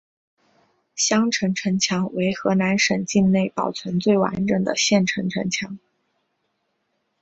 襄城城墙为河南省境内保存最完整的县城城墙。